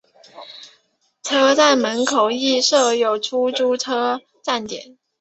车站门口亦设有出租车站点。